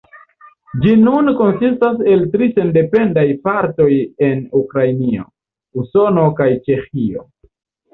Ĝi nun konsistas el tri sendependaj partoj en Ukrainio, Usono kaj Ĉeĥio.